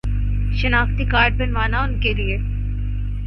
شناختی کارڈ بنوانا ان کے لیے